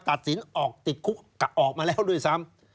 ตัดสินออกติดคุกออกมาแล้วด้วยซ้ำ